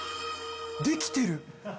できてる。